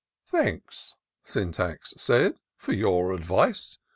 " Thanks," Syntax said, " for your advice.